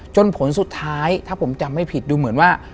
ผลสุดท้ายถ้าผมจำไม่ผิดดูเหมือนว่า